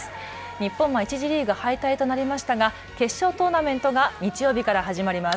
日本は１次リーグ敗退となりましたが決勝トーナメントが日曜日から始まります。